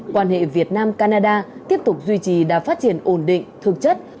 quan hệ việt nam canada tiếp tục duy trì đã phát triển ổn định thực chất